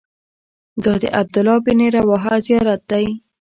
دا د عبدالله بن رواحه زیارت دی.